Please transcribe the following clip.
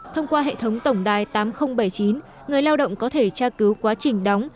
thông qua hệ thống tổng đài tám nghìn bảy mươi chín người lao động có thể tra cứu quá trình đóng